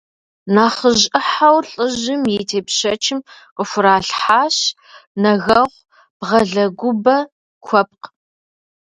Нэхъыжь ӏыхьэу лӏыжьым и тепщэчым къыхуралъхьащ нэгэгъу, бгъэлыгубэ, куэпкъ.